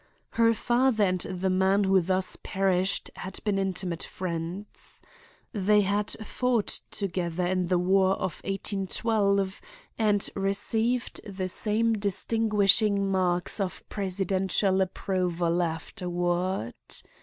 Her father and the man who thus perished had been intimate friends. They had fought together in the War of 1812 and received the same distinguishing marks of presidential approval afterward.